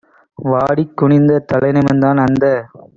வாடிக் குனிந்த தலைநிமிர்ந்தான் - அந்த